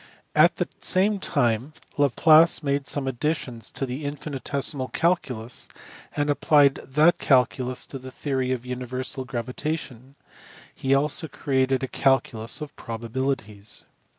At the same time Laplace made some additions to the infinitesimal calculus, and applied that calculus to the theory of universal gravitation ; he also created a calculus of probabilities.